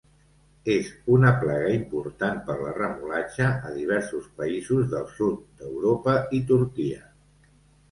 És una plaga important per la remolatxa a diversos països del sud d'Europa i Turquia.